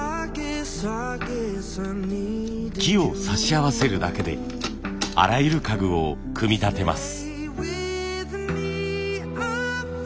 木を差し合わせるだけであらゆる家具を組み立てます。